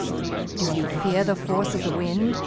Do you fear the force of the wind.